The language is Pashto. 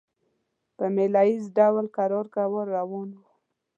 په مېله ییز ډول کرار کرار روان وو.